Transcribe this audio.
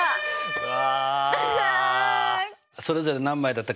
うわ！